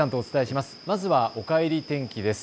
まずはおかえり天気です。